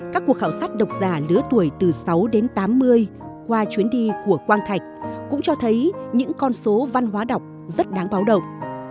các cuộc khảo sát độc giả lứa tuổi từ sáu đến tám mươi qua chuyến đi của quang thạch cũng cho thấy những con số văn hóa đọc rất đáng báo động